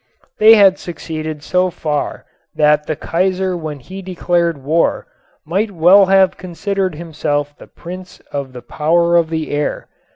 They had succeeded so far that the Kaiser when he declared war might well have considered himself the Prince of the Power of the Air.